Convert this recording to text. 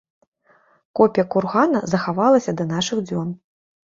Копія кургана захавалася да нашых дзён.